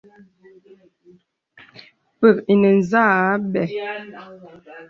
Pə̀k ǐ nə̀ zâ bə̀.